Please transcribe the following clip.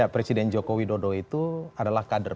presiden jokowi dodo itu adalah kader